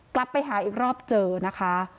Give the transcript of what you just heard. กลับไปหาอีกรอบเจอนะคะ